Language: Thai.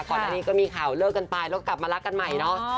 ก่อนอันนี้ก็มีข่าวเลิกกันไปแล้วก็กลับมารักกันใหม่เนาะ